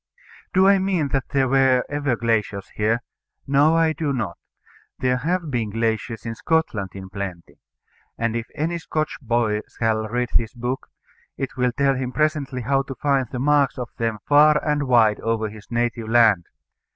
Do I mean that there were ever glaciers here? No, I do not. There have been glaciers in Scotland in plenty. And if any Scotch boy shall read this book, it will tell him presently how to find the marks of them far and wide over his native land.